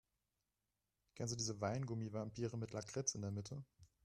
Kennst du diese Weingummi-Vampire mit Lakritz in der Mitte?